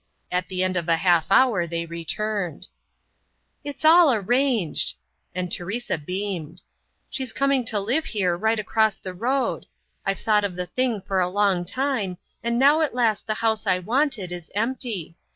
At the end of a half hour they returned. "It's all arranged," and Teresa beamed. "She's coming to live here right across the road. I've thought of the thing for a long time, and now at last the house I wanted is empty.